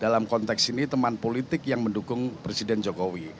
dalam konteks ini teman politik yang mendukung presiden jokowi